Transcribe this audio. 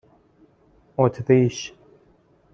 اتریش